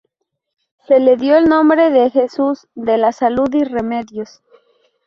Se le dio el nombre de Jesús de la Salud y Remedios.